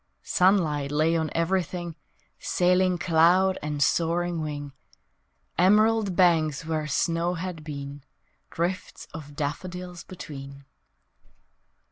Sunlight lay on everything, Sailing cloud and soaring wing, Emerald banks where snow had been, Drifts of daffodils between.